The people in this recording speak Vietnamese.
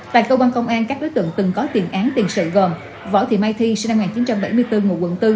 tại cơ quan công an các đối tượng từng có tiền án tiền sự gồm võ thị mai thi sinh năm một nghìn chín trăm bảy mươi bốn ngụ quận bốn